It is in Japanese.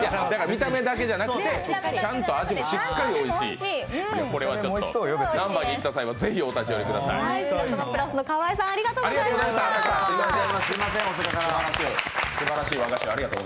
見た目だけじゃなくてちゃんと味もしっかりおいしいという。